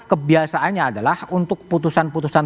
kebiasaannya adalah untuk putusan putusan